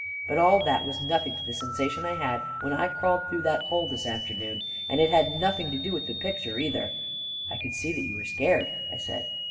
But all that was nothing to the sensation I had when I crawled through that hole this afternoon — and it had noth ing to do with the picture, either 1 " 14 1 could see that you were scared," I said.